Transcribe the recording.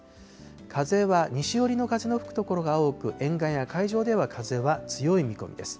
風は西寄りの風の吹く所が多く、沿岸や海上では風は強い見込みです。